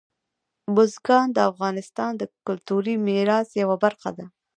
بزګان د افغانستان د کلتوري میراث یوه برخه ده.